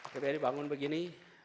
jadi bangun begini